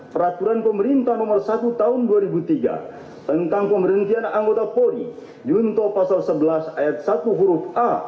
peraturan pemerintah nomor satu tahun dua ribu tiga tentang pemberhentian anggota polri junto pasal sebelas ayat satu huruf a